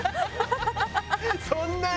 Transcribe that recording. そんな。